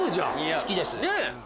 好きです。